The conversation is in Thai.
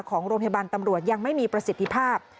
ของโรงพยาบาลตำรวจยังไม่มีประสิทธิภาพ